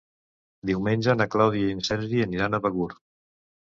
Diumenge na Clàudia i en Sergi aniran a Begur.